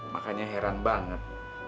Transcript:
makanya heran banget